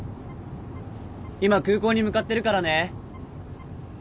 今空港に向かってるからね。